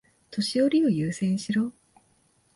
年寄りを優先しろ。